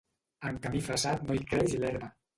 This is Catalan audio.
En camí fressat no hi creix l'herba.